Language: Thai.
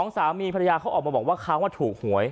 สามีภรรยาเขาออกมาบอกว่าเขาถูกหวย